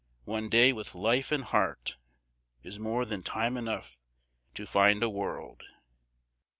One day, with life and heart, Is more than time enough to find a world.